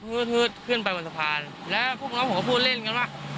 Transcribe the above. ขึ้นไปบนสะพานแล้วพวกน้องผมก็พูดเล่นกันว่า